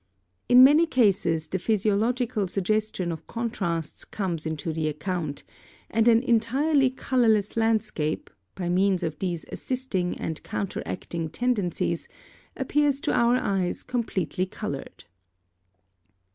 In many cases the physiological suggestion of contrasts comes into the account, and an entirely colourless landscape, by means of these assisting and counteracting tendencies, appears to our eyes completely coloured.